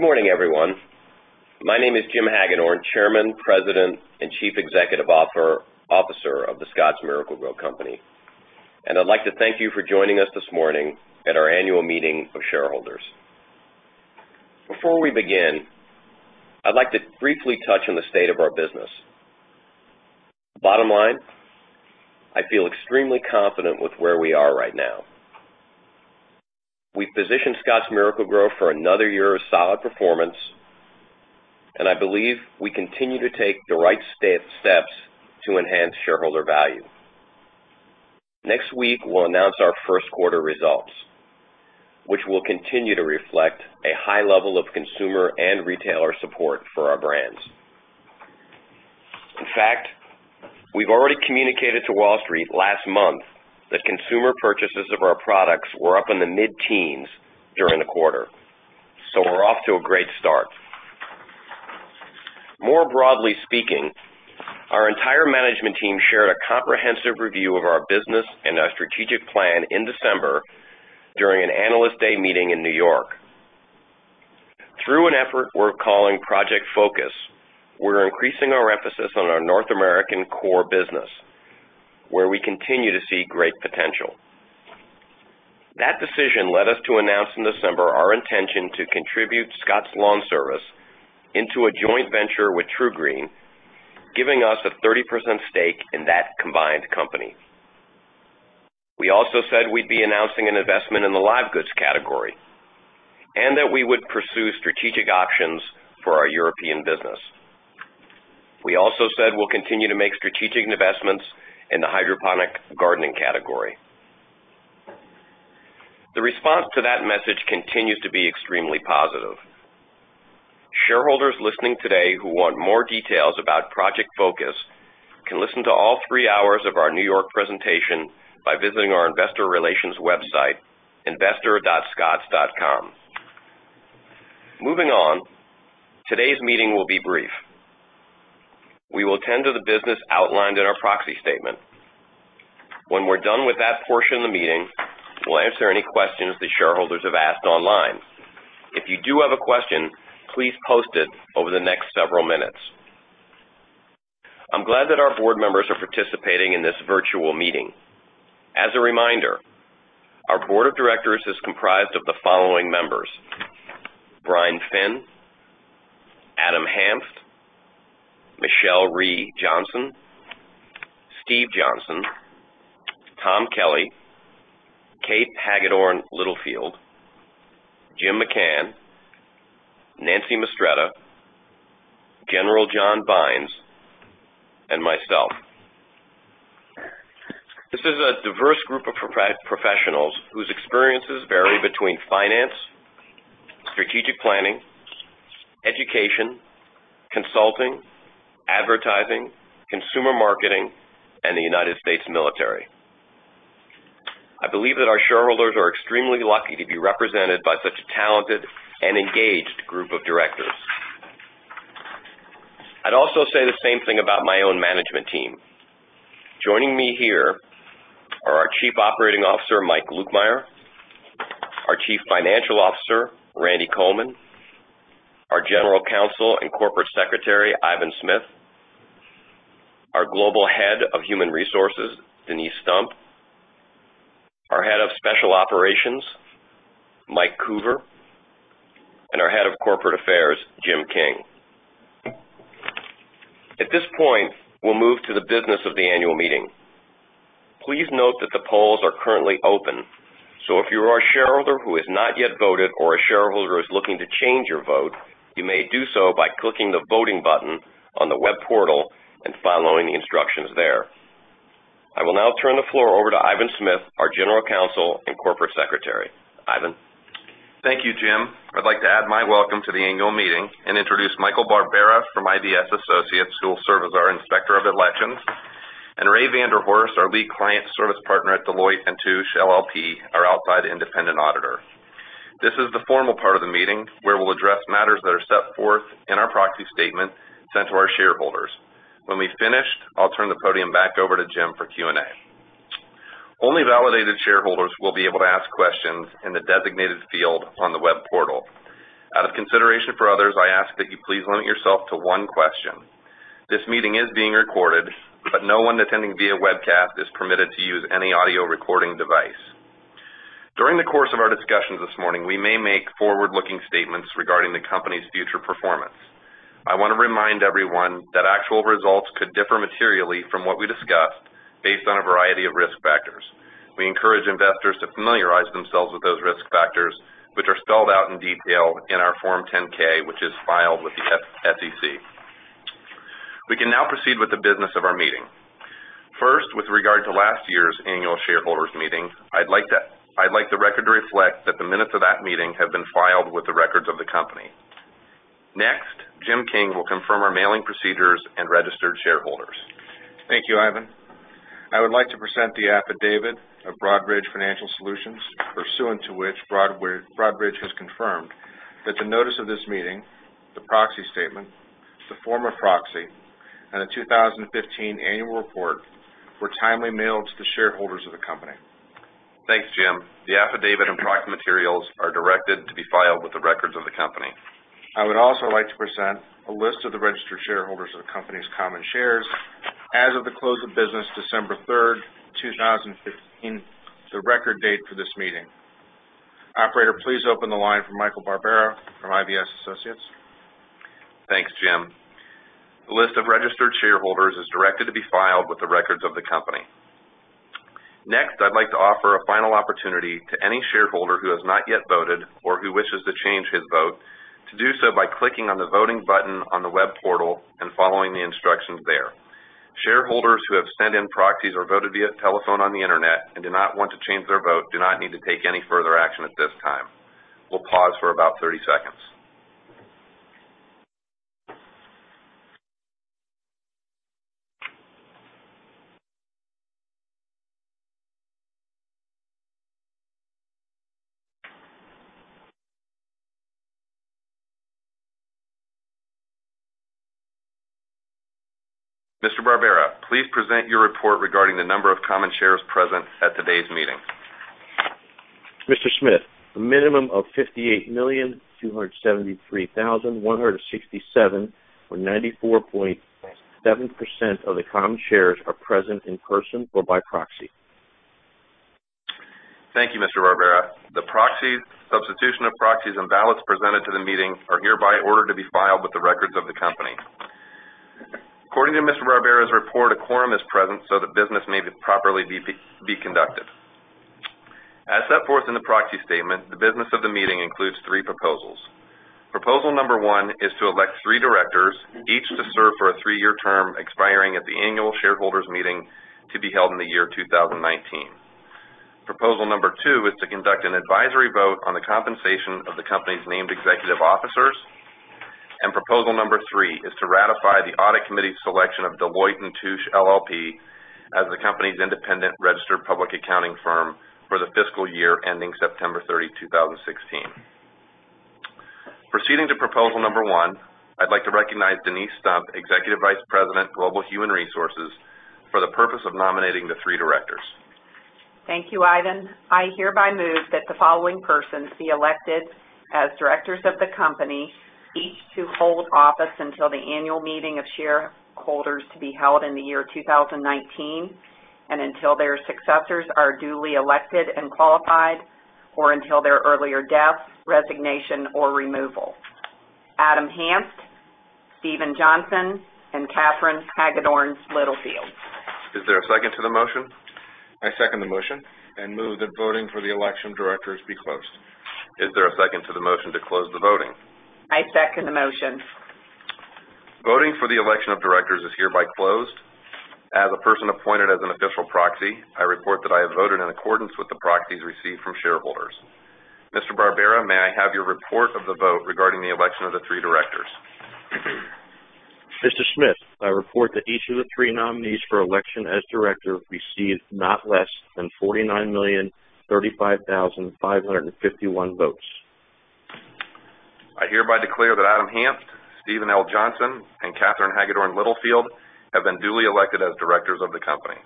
Good morning, everyone. My name is Jim Hagedorn, Chairman, President, and Chief Executive Officer of The Scotts Miracle-Gro Company. I'd like to thank you for joining us this morning at our annual meeting of shareholders. Before we begin, I'd like to briefly touch on the state of our business. Bottom line, I feel extremely confident with where we are right now. We've positioned Scotts Miracle-Gro for another year of solid performance, and I believe we continue to take the right steps to enhance shareholder value. Next week, we'll announce our first quarter results, which will continue to reflect a high level of consumer and retailer support for our brands. In fact, we've already communicated to Wall Street last month that consumer purchases of our products were up in the mid-teens during the quarter. We're off to a great start. More broadly speaking, our entire management team shared a comprehensive review of our business and our strategic plan in December during an Analyst Day meeting in New York. Through an effort we're calling Project Focus, we're increasing our emphasis on our North American core business, where we continue to see great potential. That decision led us to announce in December our intention to contribute Scotts LawnService into a joint venture with TruGreen, giving us a 30% stake in that combined company. We also said we'd be announcing an investment in the live goods category, and that we would pursue strategic options for our European business. We also said we'll continue to make strategic investments in the hydroponic gardening category. The response to that message continues to be extremely positive. Shareholders listening today who want more details about Project Focus can listen to all three hours of our New York presentation by visiting our investor relations website, investor.scotts.com. Moving on, today's meeting will be brief. We will tend to the business outlined in our proxy statement. When we're done with that portion of the meeting, we'll answer any questions that shareholders have asked online. If you do have a question, please post it over the next several minutes. I'm glad that our board members are participating in this virtual meeting. As a reminder, our board of directors is comprised of the following members: Brian Finn, Adam Hanft, Michelle Rhee, Steve Johnson, Tom Kelly, Kate Hagedorn Littlefield, Jim McCann, Nancy Mistretta, General John Vines, and myself. This is a diverse group of professionals whose experiences vary between finance, strategic planning, education, consulting, advertising, consumer marketing, and the U.S. military. I believe that our shareholders are extremely lucky to be represented by such a talented and engaged group of directors. I'd also say the same thing about my own management team. Joining me here are our Chief Operating Officer, Mike Lukemire, our Chief Financial Officer, Randy Coleman, our General Counsel and Corporate Secretary, Ivan Smith, our Global Head of Human Resources, Denise Stump, our Head of Special Operations, Mike Hoover, and our Head of Corporate Affairs, Jim King. At this point, we'll move to the business of the annual meeting. Please note that the polls are currently open, if you are a shareholder who has not yet voted or a shareholder who is looking to change your vote, you may do so by clicking the voting button on the web portal and following the instructions there. I will now turn the floor over to Ivan Smith, our General Counsel and Corporate Secretary. Ivan? Thank you, Jim. I'd like to add my welcome to the annual meeting and introduce Michael Barbera from IVS Associates, who will serve as our Inspector of Elections, and Ray Vander Horst, our Lead Client Service Partner at Deloitte & Touche LLP, our outside independent auditor. This is the formal part of the meeting where we'll address matters that are set forth in our proxy statement sent to our shareholders. When we've finished, I'll turn the podium back over to Jim for Q&A. Only validated shareholders will be able to ask questions in the designated field on the web portal. Out of consideration for others, I ask that you please limit yourself to one question. This meeting is being recorded, but no one attending via webcast is permitted to use any audio recording device. During the course of our discussions this morning, we may make forward-looking statements regarding the company's future performance. I want to remind everyone that actual results could differ materially from what we discuss based on a variety of risk factors. We encourage investors to familiarize themselves with those risk factors, which are spelled out in detail in our Form 10-K, which is filed with the SEC. We can now proceed with the business of our meeting. First, with regard to last year's annual shareholders meeting, I'd like the record to reflect that the minutes of that meeting have been filed with the records of the company. Next, Jim King will confirm our mailing procedures and registered shareholders. Thank you, Ivan. I would like to present the affidavit of Broadridge Financial Solutions, pursuant to which Broadridge has confirmed that the notice of this meeting, the proxy statement, the form of proxy, and the 2015 annual report were timely mailed to the shareholders of the company. Thanks, Jim. The affidavit and proxy materials are directed to be filed with the records of the company. I would also like to present a list of the registered shareholders of the company's common shares as of the close of business December third, 2015, the record date for this meeting. Operator, please open the line for Michael Barbera from IVS Associates. Thanks, Jim. The list of registered shareholders is directed to be filed with the records of the company. Next, I'd like to offer a final opportunity to any shareholder who has not yet voted, or who wishes to change his vote, to do so by clicking on the voting button on the web portal and following the instructions there. Shareholders who have sent in proxies or voted via telephone on the internet and do not want to change their vote do not need to take any further action at this time. We'll pause for about 30 seconds. Mr. Barbera, please present your report regarding the number of common shares present at today's meeting. Mr. Smith, a minimum of 58,273,167, or 94.7% of the common shares are present in person or by proxy. Thank you, Mr. Barbera. The proxies, substitution of proxies, and ballots presented to the meeting are hereby ordered to be filed with the records of the company. According to Mr. Barbera's report, a quorum is present, so that business may properly be conducted. As set forth in the proxy statement, the business of the meeting includes three proposals. Proposal number one is to elect three directors, each to serve for a three-year term expiring at the annual shareholders' meeting to be held in the year 2019. Proposal number two is to conduct an advisory vote on the compensation of the company's named executive officers. Proposal number three is to ratify the audit committee's selection of Deloitte & Touche LLP as the company's independent registered public accounting firm for the fiscal year ending September 30, 2016. Proceeding to proposal number one, I'd like to recognize Denise Stump, Executive Vice President, Global Human Resources, for the purpose of nominating the three directors. Thank you, Ivan. I hereby move that the following persons be elected as directors of the company, each to hold office until the annual meeting of shareholders to be held in the year 2019 and until their successors are duly elected and qualified, or until their earlier death, resignation, or removal. Adam Hanft, Stephen Johnson, and Katherine Hagedorn Littlefield. Is there a second to the motion? I second the motion and move that voting for the election directors be closed. Is there a second to the motion to close the voting? I second the motion. Voting for the election of directors is hereby closed. As a person appointed as an official proxy, I report that I have voted in accordance with the proxies received from shareholders. Mr. Barbera, may I have your report of the vote regarding the election of the three directors? Mr. Smith, I report that each of the three nominees for election as director received not less than 49,035,551 votes. I hereby declare that Adam Hanft, Stephen L. Johnson, and Katherine Hagedorn Littlefield have been duly elected as directors of the company.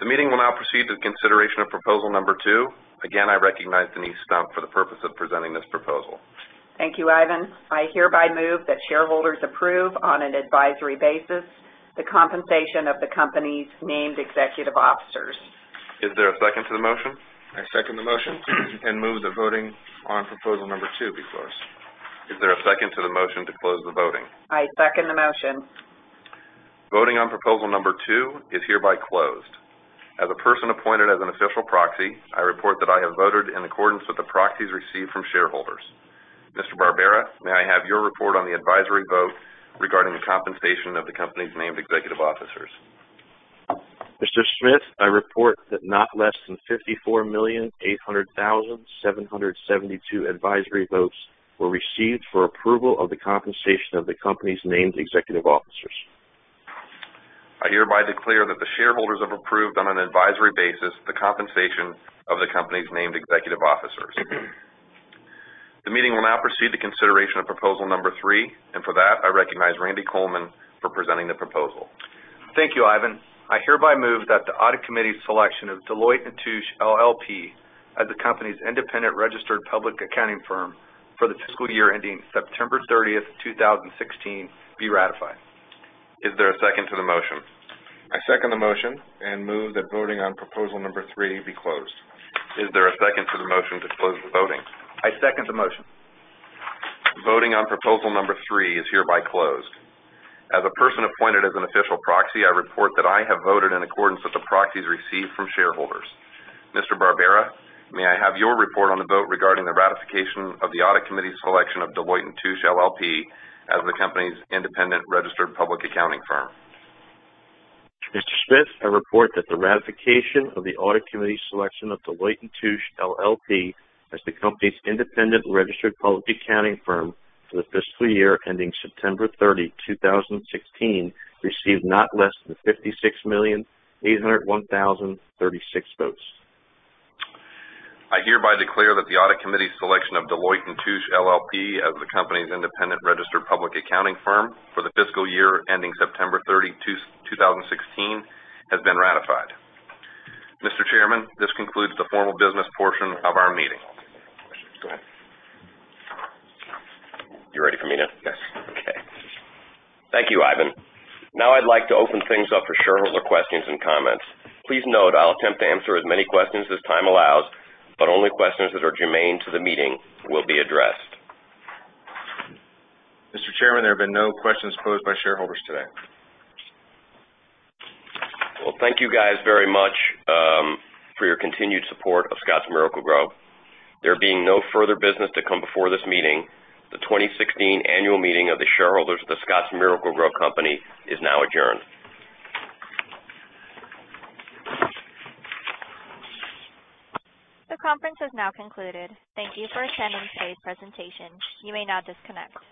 The meeting will now proceed to consideration of proposal number two. Again, I recognize Denise Stump for the purpose of presenting this proposal. Thank you, Ivan. I hereby move that shareholders approve, on an advisory basis, the compensation of the company's named executive officers. Is there a second to the motion? I second the motion and move the voting on proposal number two be closed. Is there a second to the motion to close the voting? I second the motion. Voting on proposal number two is hereby closed. As a person appointed as an official proxy, I report that I have voted in accordance with the proxies received from shareholders. Mr. Barbera, may I have your report on the advisory vote regarding the compensation of the company's named executive officers? Mr. Smith, I report that not less than 54,800,772 advisory votes were received for approval of the compensation of the company's named executive officers. I hereby declare that the shareholders have approved, on an advisory basis, the compensation of the company's named executive officers. The meeting will now proceed to consideration of proposal number three, for that, I recognize Randy Coleman for presenting the proposal. Thank you, Ivan. I hereby move that the Audit Committee's selection of Deloitte & Touche LLP as the company's independent registered public accounting firm for the fiscal year ending September 30, 2016, be ratified. Is there a second to the motion? I second the motion and move that voting on proposal number three be closed. Is there a second to the motion to close the voting? I second the motion. Voting on proposal number three is hereby closed. As a person appointed as an official proxy, I report that I have voted in accordance with the proxies received from shareholders. Mr. Barbera, may I have your report on the vote regarding the ratification of the audit committee's selection of Deloitte & Touche LLP as the company's independent registered public accounting firm? Mr. Smith, I report that the ratification of the audit committee's selection of Deloitte & Touche LLP as the company's independent registered public accounting firm for the fiscal year ending September 30, 2016, received not less than 56,801,036 votes. I hereby declare that the audit committee's selection of Deloitte & Touche LLP as the company's independent registered public accounting firm for the fiscal year ending September 30, 2016, has been ratified. Mr. Chairman, this concludes the formal business portion of our meeting. Go ahead. You ready for me now? Yes. Okay. Thank you, Ivan. Now I'd like to open things up for shareholder questions and comments. Please note I'll attempt to answer as many questions as time allows, but only questions that are germane to the meeting will be addressed. Mr. Chairman, there have been no questions posed by shareholders today. Well, thank you guys very much, for your continued support of Scotts Miracle-Gro. There being no further business to come before this meeting, the 2016 annual meeting of the shareholders of The Scotts Miracle-Gro Company is now adjourned. The conference has now concluded. Thank you for attending today's presentation. You may now disconnect.